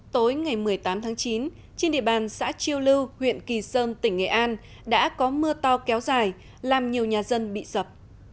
tối ngày một mươi tám tháng chín trên địa bàn xã chiêu lưu huyện kỳ sơn tỉnh nghệ an đã có mưa to kéo dài làm nhiều nhà dân bị sập